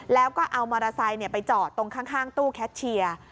แล้วก็เอามอเตอร์ไซค์ไปจอดตรงข้างตู้แคชเชียร์